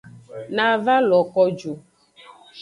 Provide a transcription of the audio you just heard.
Na va lo ko ju.